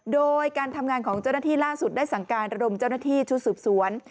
โดยการทำงานของเจ้าหน้าที่ล่าสุดได้สั่งการระดมเจ้าหน้าที่ชุดสืบสวน